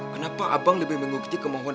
kenapa abang lebih mengukti kemohon